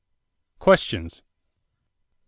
=Questions= 1.